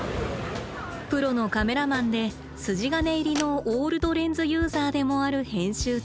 プロのカメラマンで筋金入りのオールドレンズユーザーでもある編集長。